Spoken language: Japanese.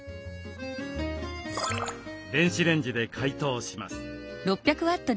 電子レンジで解凍します。